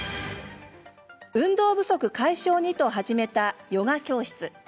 運動不足解消にと始めたヨガ教室。